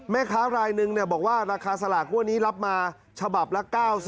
แม่ค้ารายหนึ่งบอกว่าราคาสลากงวดนี้รับมาฉบับละ๙๐